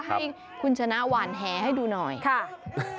ให้คุณชนะหวานแหให้ดูหน่อยค่ะ